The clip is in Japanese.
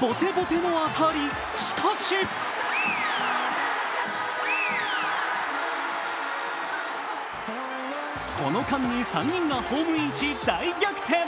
ボテボテの当たり、しかしこの間に３人がホームインし大逆転。